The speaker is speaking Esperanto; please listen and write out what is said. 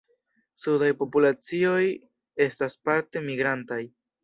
Sudaj populacioj estas parte migrantaj.